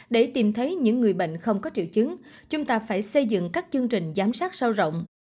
để tìm thấy những người bệnh không có triệu chứng chúng ta phải xây dựng các chương trình giám sát sâu rộng